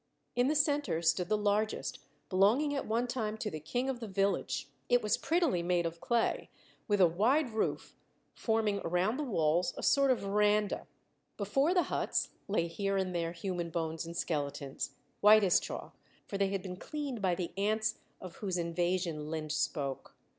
In the center stood the largest, belonging at one time to the king of the village; it was prettily made of clay, with a wide roof forming around the walls a sort of veranda. Before the huts lay here and there human bones and skeletons, white as chalk, for they had been cleaned by the ants of whose invasion Linde spoke.